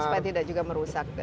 supaya tidak juga merusak